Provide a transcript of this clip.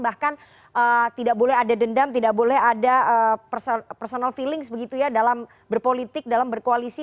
bahkan tidak boleh ada dendam tidak boleh ada personal feelings begitu ya dalam berpolitik dalam berkoalisi